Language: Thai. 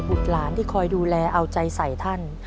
หลานที่คอยดูแลเอาใจใส่ท่าน